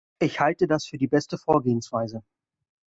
Ich halte das für die beste Vorgehensweise.